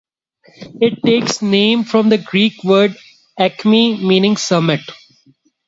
It takes its name from the Greek word acme meaning summit.